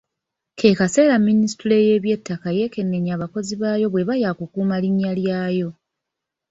Ke kaseera Ministule y’Eby'ettaka yeekenneenye abakozi baayo bw’eba yakukuuma linnya lyayo.